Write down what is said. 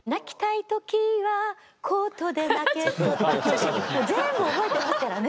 私なんか全部覚えてますからね。